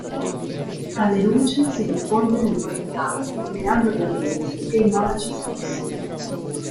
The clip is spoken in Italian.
Tale luce si diffonde nel porticato illuminando gli ambienti e i monaci stessi.